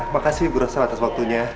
makasih bu rosal atas waktunya